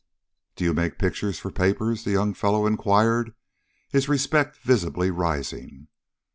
"Do you make pictures for papers?" the young fellow inquired, his respect visibly rising.